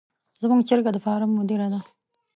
زموږ چرګه د فارم مدیره ده.